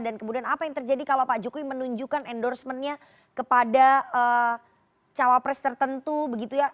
dan kemudian apa yang terjadi kalau pak jokowi menunjukkan endorsementnya kepada cawapres tertentu begitu ya